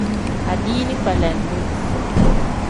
Adiini kpelendu.